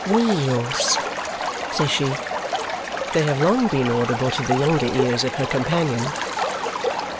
"Wheels!" says she. They have long been audible to the younger ears of her companion.